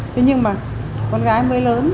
thế nhưng mà con gái mới lớn